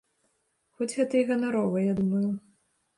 Хоць гэта і ганарова, я думаю.